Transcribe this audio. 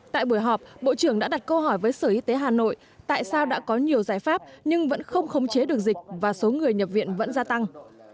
tại buổi họp bộ trưởng đã đặt câu hỏi với sở y tế hà nội tại sao đã có nhiều giải pháp nhưng vẫn không khống chế được dịch và số người nhập viện vẫn gia tăng